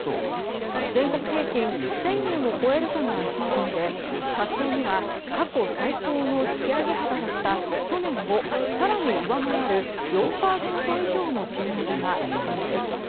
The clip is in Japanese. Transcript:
全国平均１０００円を超えるかが焦点で達成には過去最高の引き上げ幅だった去年を更に上回る４％以上の賃上げが必要です。